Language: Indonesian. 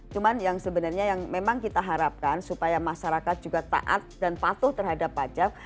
cuman yang sebenarnya yang memang kita harapkan supaya masyarakat juga taat dan patuh terhadap pajak